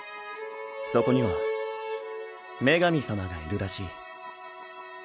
そこには女神様がいるらしい。